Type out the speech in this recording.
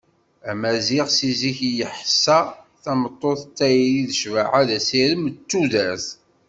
Amaziɣ si zik yeḥsa tameṭṭut d tayri, d ccbaḥa, d asirem, d tudert.